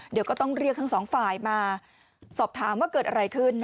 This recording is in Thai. เดี๋ยวก็ต้องเรียกทั้งสองฝ่ายมาสอบถามว่าเกิดอะไรขึ้น